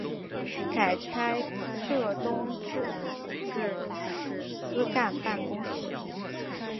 改差浙东制置使司干办公事。